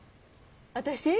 私？